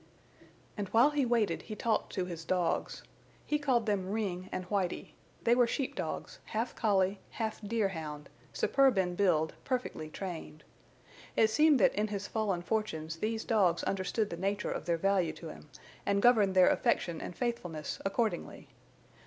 And while he waited he talked to his dogs. He called them Ring and Whitie; they were sheep dogs, half collie, half deerhound, superb in build, perfectly trained. It seemed that in his fallen fortunes these dogs understood the nature of their value to him, and governed their affection and faithfulness accordingly.